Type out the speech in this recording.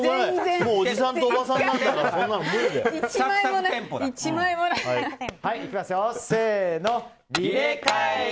もうおじさんとおばさんなんだからせーの。